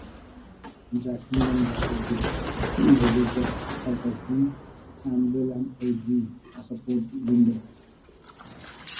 Jackson then brought up the brigades of Fulkerson, Campbell and Elzey to support Winder.